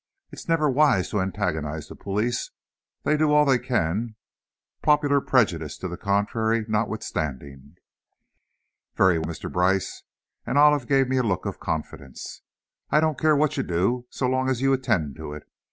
It is never wise to antagonize the police; they do all they can, popular prejudice to the contrary notwithstanding." "Very well, Mr. Brice," and Olive gave me a look of confidence. "I don't care what you do, so long as you attend to it.